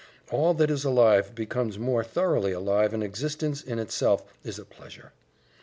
All that is alive becomes more thoroughly alive and existence in itself is a pleasure.